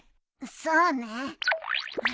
そうね。